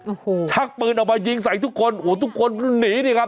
โอ้โหชักปืนออกมายิงใส่ทุกคนโอ้โหทุกคนหนีดิครับ